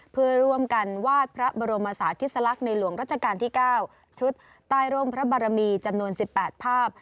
เพื่อร่วมกันวาดพระบรมศาสติสลักษณ์ในหลวงรัชกาลที่๙ชุดใต้ร่มพระบารมีจำนวน๑๘ภาพ